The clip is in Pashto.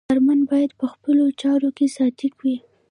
کارمند باید په خپلو چارو کې صادق وي.